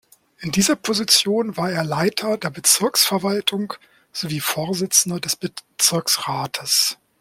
In dieser Position war er Leiter der Bezirksverwaltung sowie Vorsitzender des Bezirksrates.